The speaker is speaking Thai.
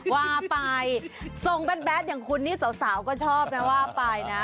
ว่าไปส่งแดดอย่างคุณนี่สาวก็ชอบนะว่าไปนะ